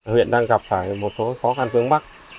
huyện đang gặp phải một số khó khăn vướng mắt